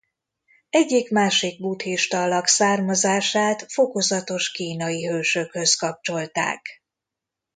Egyik másik buddhista alak származását fokozatos kínai hősökhöz kapcsolták.